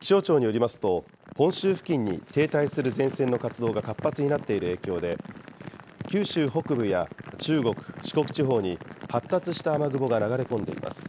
気象庁によりますと、本州付近に停滞する前線の活動が活発になっている影響で、九州北部や中国、四国地方に発達した雨雲が流れ込んでいます。